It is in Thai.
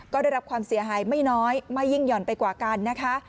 ก็ได้รับความเสียหายไม่น้อยไม่ยิ่งห่อนไปกว่ากันนะคะ